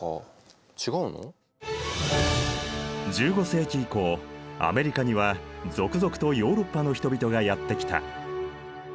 １５世紀以降アメリカには続々とヨーロッパの人々がやって来た。